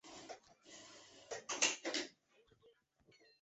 柬埔寨华人指的是移民到柬埔寨的华人及混有华人血统的柬埔寨人。